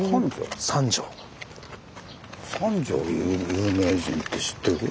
有名人って知ってる？